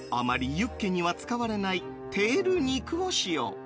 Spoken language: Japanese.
ユッケには使われないテール肉を使用。